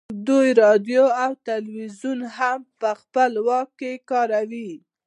دوی راډیو او ټلویزیون هم په خپل واک کې کاروي